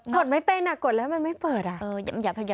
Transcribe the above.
ดไม่เป็นอ่ะกดแล้วมันไม่เปิดอ่ะ